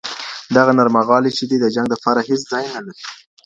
دغه نرمغالی چي دی، د جنګ دپاره هیڅ ځای نلري.